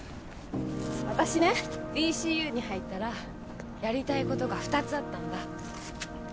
私ねＤＣＵに入ったらやりたいことが二つあったんだ